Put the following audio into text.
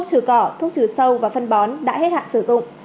thuốc trừ sâu và phân bón đã hết hạn sử dụng